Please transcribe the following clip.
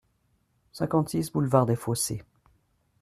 cinquante-six boulevard des Fossés